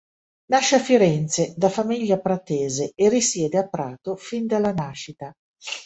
Nasce a Firenze da famiglia pratese e risiede a Prato fin dalla nascita.